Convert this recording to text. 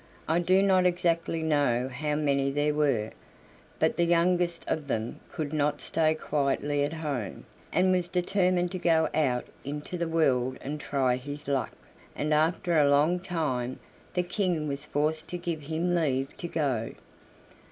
I do not exactly know how many there were, but the youngest of them could not stay quietly at home, and was determined to go out into the world and try his luck, and after a long time the King was forced to give him leave to go.